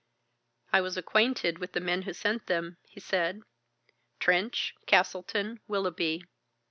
"I was acquainted with the men who sent them," he said, "Trench, Castleton, Willoughby.